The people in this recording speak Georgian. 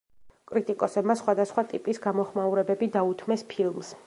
კრიტიკოსებმა სხვა და სხვა ტიპის გამოხმაურებები დაუთმეს ფილმს.